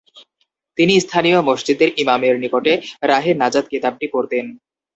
তিনি স্থানীয় মসজিদের ইমামের নিকট ‘রাহে নাজাত’ কিতাবটি পড়তেন।